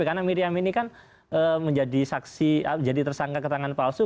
karena miriam ini kan menjadi saksi jadi tersangka keterangan palsu